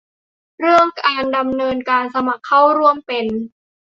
เรื่องการดำเนินการสมัครเข้าร่วมเป็น